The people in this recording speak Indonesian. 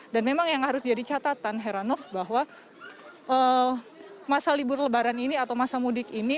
dan memang yang harus jadi catatan heranof bahwa masa libur lebaran ini atau masa mudik ini